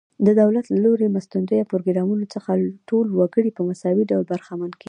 د دولت له لوري مرستندویه پروګرامونو څخه ټول وګړي په مساوي ډول برخمن کیږي.